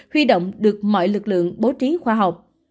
huy động được mọi lực lượng bố trí khoa học